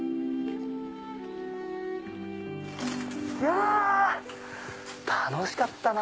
いや楽しかったな。